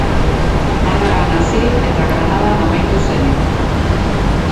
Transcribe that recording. Malagan hasi eta Granadan amaitu zen.